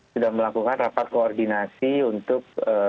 sudah melakukan rapat koordinasi untuk